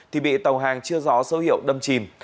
thì bị tàu hàng chưa gió sấu hiệu đâm chìm